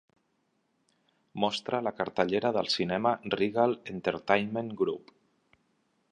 Mostra la cartellera del cinema Regal Entertainment Group.